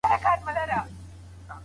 مزاره بې دښتو نه دی.